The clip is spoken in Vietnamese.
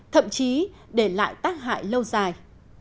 thậm chí để lại tác hại lâu dài